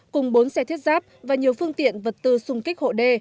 cùng bốn xe thiết giáp và nhiều phương tiện vật tư xung kích hộ đê